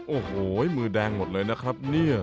โอ้โหมือแดงหมดเลยนะครับเนี่ย